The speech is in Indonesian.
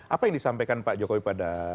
apa yang disampaikan pak jokowi pada